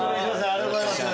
ありがとうございます。